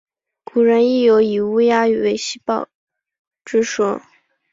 古人亦有以乌鸦为报喜之说。